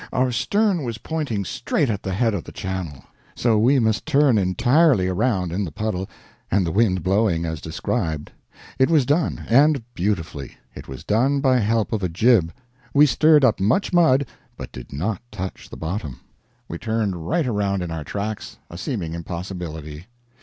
Our stern was pointing straight at the head of the channel; so we must turn entirely around in the puddle and the wind blowing as described. It was done, and beautifully. It was done by help of a jib. We stirred up much mud, but did not touch the bottom. We turned right around in our tracks a seeming impossibility.